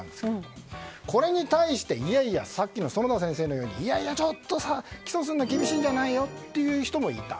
これに対してさっきの園田先生のようにいやいや起訴するのは厳しいんじゃないのという人もいた。